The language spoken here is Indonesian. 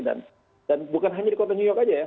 dan bukan hanya di kota new york saja ya